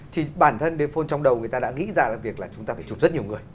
thì bản thân dephone trong đầu người ta đã nghĩ ra là việc là chúng ta phải chụp rất nhiều người